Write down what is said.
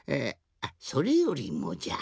あそれよりもじゃ。